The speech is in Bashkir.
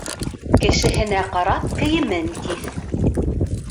Кешеһенә ҡарап кейемен киҫ.